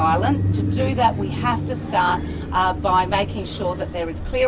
untuk melakukannya kita harus mulai